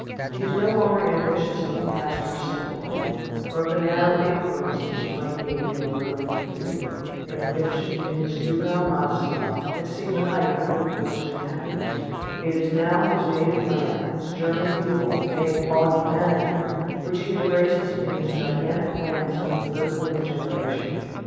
He is no longer ambitious of the pastor's simple life or of the narrow influence which he might gain in a little community, and which, in his juvenile modesty, had seemed the height of good fortune and happiness; it is now his native land, his German people, nay, all humanity, which he embraces in his gigantic plans of political regeneration.